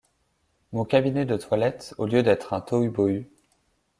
Mon cabinet de toilette, au lieu d’être un tohu-bohu